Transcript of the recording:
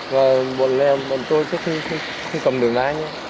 và bọn em bọn tôi chắc không cầm được lái nữa